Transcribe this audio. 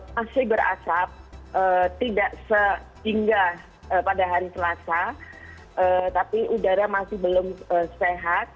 masih berasap tidak sehingga pada hari selasa tapi udara masih belum sehat